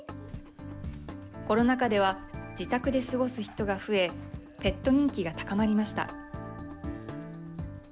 コロナ禍では自宅で過ごす人が増え、ペット人気が高まりました。